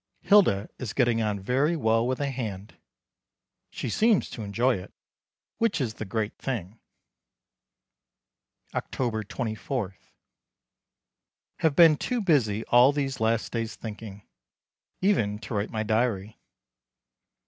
Hilda is getting on very well with the hand. She seems to enjoy it, which is the great thing. October 24. Have been too busy all these last days thinking, even to write my diary.